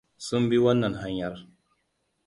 Sun bi wannan hanyar.